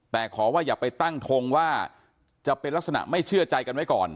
แต่ขอว่าอย่าไปตั้งทงว่าจะเป็นลักษณะไม่เชื่อใจกันไว้ก่อน